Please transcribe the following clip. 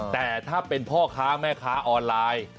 แต่ถ้าเป็นพ่อค้าแม่ค้าออนไลน์